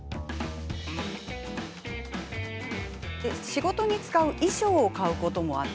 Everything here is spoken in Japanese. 仕事に使う衣装を買うことも。